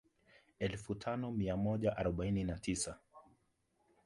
Elfu tano mai moja arobaini na tisa